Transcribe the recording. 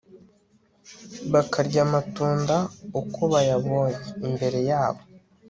bakarya amatunda uko bayabonye imbere yabo